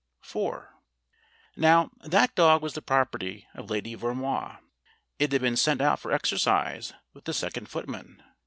IV Now, that dog was the property of Lady Vermoise. It had been sent out for exercise with the second footman.